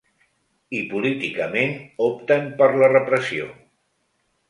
I políticament opten per la repressió.